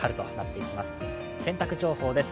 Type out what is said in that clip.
洗濯情報です。